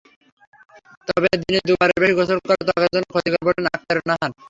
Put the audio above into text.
তবে দিনে দুবারের বেশি গোসল করা ত্বকের জন্য ক্ষতিকর বললেন আখতারুন নাহার।